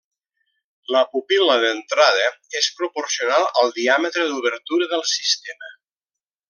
La pupil·la d'entrada és proporcional al diàmetre d'obertura del sistema.